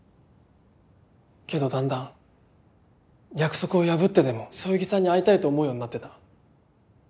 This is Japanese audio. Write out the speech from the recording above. けどだんだん約束を破ってでもそよぎさんに会いたいと思うようになってた。